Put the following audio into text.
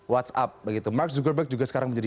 whatsapp begitu mark zuckerberg juga sekarang menjadi